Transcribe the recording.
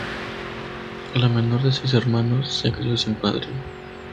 La menor de seis hermanos, se crio sin padre.